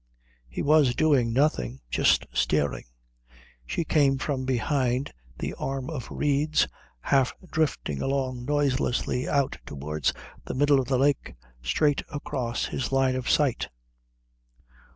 He was doing nothing: just staring. She came from behind the arm of reeds, half drifting along noiselessly out towards the middle of the lake, straight across his line of sight.